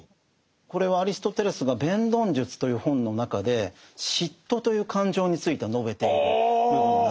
これはアリストテレスが「弁論術」という本の中で嫉妬という感情について述べている部分なんです。